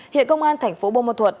hiện công an thành phố bông môn thuật